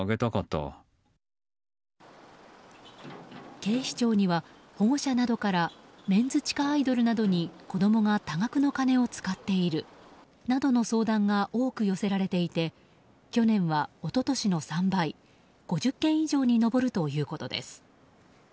警視庁には、保護者などからメンズ地下アイドルなどに子供が多額の金を使っているなどの相談が多く寄せられていて去年は一昨年の３倍失礼します。